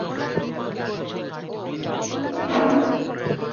মাফ করবেন ভদ্র মহোদয়গন?